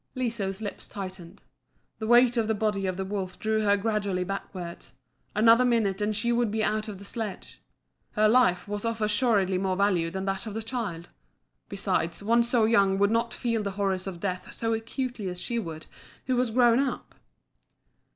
Liso's lips tightened. The weight of the body of the wolf drew her gradually backwards another minute and she would be out of the sledge. Her life was of assuredly more value than that of the child. Besides, one so young would not feel the horrors of death so acutely as she would, who was grown up.